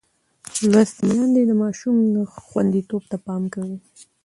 لوستې میندې د ماشوم خوندیتوب ته پام کوي.